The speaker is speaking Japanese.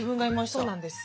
そうなんです。